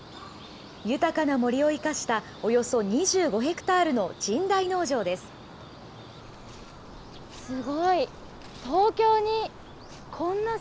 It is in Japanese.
豊かな森を生かした、およそ２５ヘクタールの神代農場です。